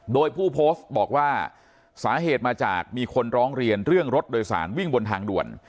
โดยผู้โพสต์บอกว่าสาเหตุมาจากมีคนร้องเรียนเรื่องรถโดยสารวิ่งบนทางด่วน